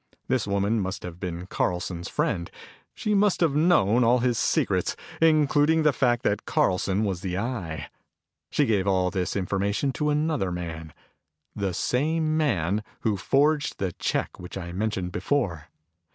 This woman must have been Carlson's friend. She must have known all his secrets, including the fact that Carlson was the Eye. She gave all this information to another man the same man who forged the check which I mentioned before.